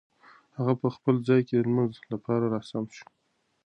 هغه په خپل ځای کې د لمانځه لپاره را سم شو.